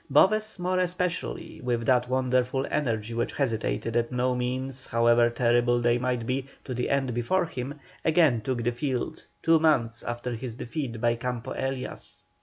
Boves, more especially, with that wonderful energy which hesitated at no means, however terrible they might be, to the end before him, again took the field, two months after his defeat by Campo Elias.